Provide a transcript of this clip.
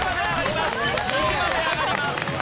２位まで上がります。